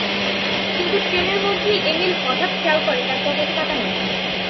কিন্তু ট্রেনের মধ্যেই এমিল হঠাৎ খেয়াল করে তার পকেটে টাকা নেই।